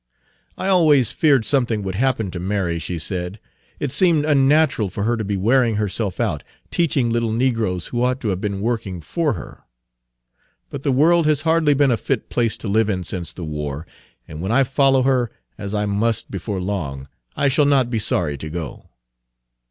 "I always feared something would happen to Mary," she said. "It seemed unnatural for her to be wearing herself out teaching little negroes who ought to have been working for her. But the world has hardly been a fit place to live in since the war, and when I follow her, as I must before long, I shall not be sorry to go."